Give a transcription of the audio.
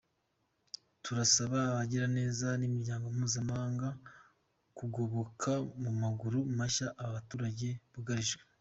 Turasaba abagiraneza n’imiryango mpuzamahanga kugoboka mu maguru mashya aba baturage bugarijwe.